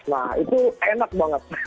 nah itu enak banget